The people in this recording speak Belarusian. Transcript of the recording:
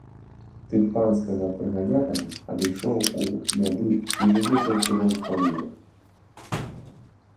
Тып панскага прыганятага адышоў у нябыт і жыве толькі ва ўспамінах.